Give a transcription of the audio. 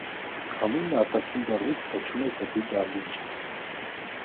Քամին արտաքին դռնից փչում էր դեպի դահլիճ։